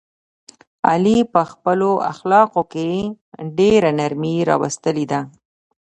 علي په خپلو اخلاقو کې ډېره نرمي راوستلې ده.